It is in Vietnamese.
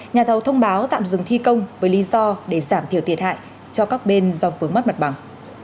nhà thầu thông báo tạm dừng thi công với lý do để giảm thiểu thiệt hại cho các bên do vướng mắt mặt bằng